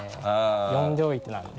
呼んでおいてなんで。